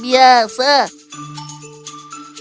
meliku juga terima kasih bu